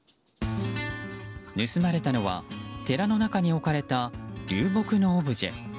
盗まれたのは寺の中に置かれた流木のオブジェ。